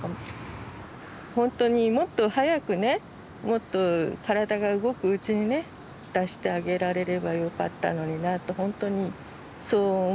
ほんとにもっと早くねもっと体が動くうちにね出してあげられればよかったのになってほんとにそう思うんですけど。